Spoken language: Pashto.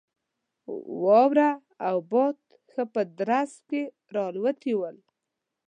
واوره او باد ښه په درز کې را الوتي ول.